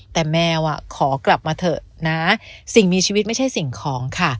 แต่แมวขอกลับมาเถอะนะสิ่งมีชีวิตไม่ใช่สิ่งของค่ะ